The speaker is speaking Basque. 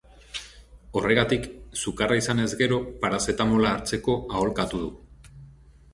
Horregatik, sukarra izanez gero parazetamola hartzeko aholkatu du.